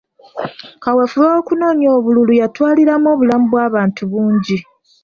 Kaweefube w'okunoonya obululu yatwaliramu obulamu bw'abantu bungi.